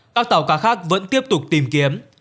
các tàu cá khác vẫn tiếp tục tìm kiếm